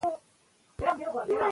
د پراختیا او رواجول برخه ضعیفه ده.